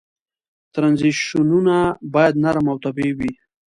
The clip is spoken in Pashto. ترنزیشنونه باید نرم او طبیعي وي.